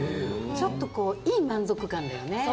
ちょっとこういい満足感だよね